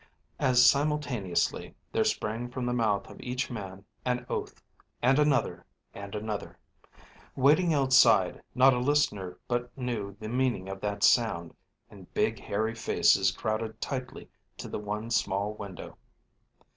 As simultaneously there sprang from the mouth of each man an oath, and another, and another. Waiting outside, not a listener but knew the meaning of that sound; and big, hairy faces crowded tightly to the one small window.